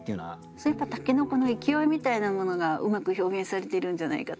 それはやっぱり筍の勢いみたいなものがうまく表現されているんじゃないかと思います。